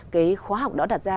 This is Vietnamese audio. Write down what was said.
cái khóa học đó đặt ra